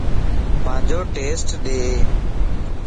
پانجو ٽيسٽ ڏي